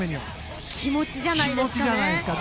気持ちじゃないですかね。